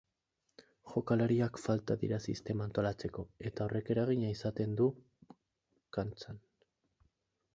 Jokalariak falta dira sistemak antolatzeko, eta horrek eragina izaten du kantxan.